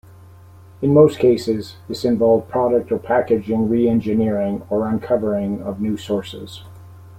In most cases, this involved product or packaging re-engineering, or uncovering of new sources.